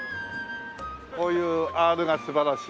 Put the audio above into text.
こういうアールが素晴らしい。